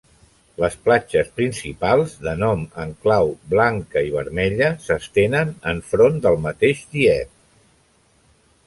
Les platges principals, de nom en clau Blanca i Vermella, s'estenen en front del mateix Dieppe.